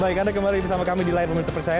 baik anda kembali bersama kami di line pemintu percaya